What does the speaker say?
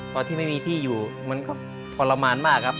ตอนที่ไม่มีที่อยู่มันก็ทรมานมากครับ